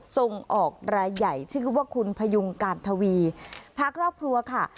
ส่งออกรายใหญ่ชื่อว่าคุณพยุงการทวีพาครอบครัวค่ะ